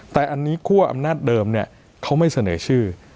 แต่อันนี้คั่วอำนาจเดิมเนี่ยเขาไม่เสนอชื่อ